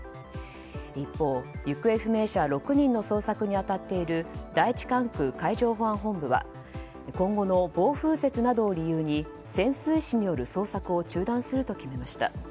一方、行方不明者６人の捜索に当たっている第１管区海上保安本部は今後の暴風雪などを理由に潜水士による捜索を中断すると決めました。